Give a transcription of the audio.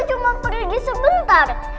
cuma pergi sebentar